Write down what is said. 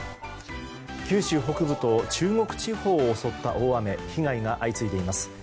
九州北部と中国地方を襲った大雨被害が相次いでいます。